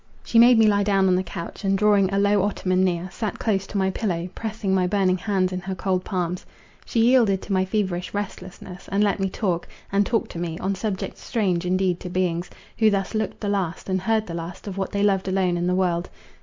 She made me lie down on the couch, and, drawing a low ottoman near, sat close to my pillow, pressing my burning hands in her cold palms. She yielded to my feverish restlessness, and let me talk, and talked to me, on subjects strange indeed to beings, who thus looked the last, and heard the last, of what they loved alone in the world.